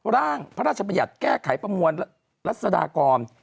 ร่างพระราชบัญญัติแก้ไขประมวลรัศดากร